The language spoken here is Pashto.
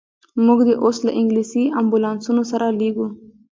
موږ دي اوس له انګلیسي امبولانسونو سره لېږو.